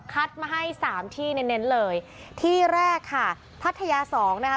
มาให้สามที่เน้นเน้นเลยที่แรกค่ะพัทยาสองนะคะ